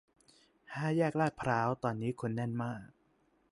ห้าแยกลาดพร้าวตอนนี้คนแน่นมาก